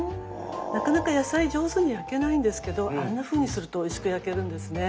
なかなか野菜上手に焼けないんですけどあんなふうにするとおいしく焼けるんですね。